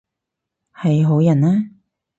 係好人啊？